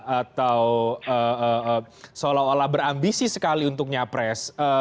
atau seolah olah berambisi sekali untuk nyapres